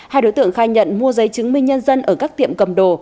hai đối tượng khai nhận mua giấy chứng minh nhân dân ở các tiệm cầm đồ